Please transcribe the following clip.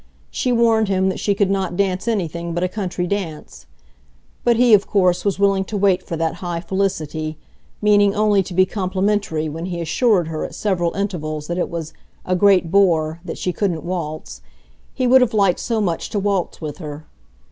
She warned him that she could not dance anything but a country dance; but he, of course, was willing to wait for that high felicity, meaning only to be complimentary when he assured her at several intervals that it was a "great bore" that she couldn't waltz, he would have liked so much to waltz with her.